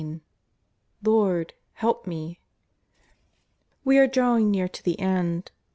" LORD^ HELP ME !" We are drawing near to the end.